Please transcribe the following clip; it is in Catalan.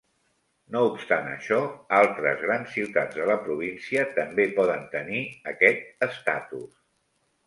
No obstant això, altres grans ciutats de la província també poden tenir aquest estatus.